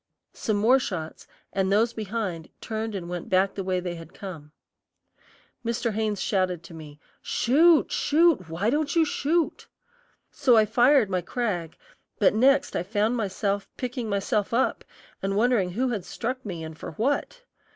Some more shots, and those behind turned and went back the way they had come. Mr. Haynes shouted to me, "Shoot, shoot; why don't you shoot!" So I fired my Krag, but next I found myself picking myself up and wondering who had struck me and for what.